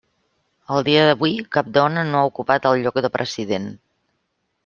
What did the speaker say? Al dia d'avui, cap dona no ha ocupat el lloc de President.